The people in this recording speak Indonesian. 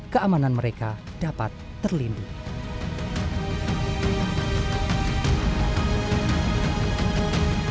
keamanan mereka dapat terlindung